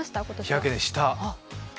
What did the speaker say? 日焼け、した。